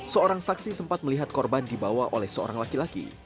seorang saksi sempat melihat korban dibawa oleh seorang laki laki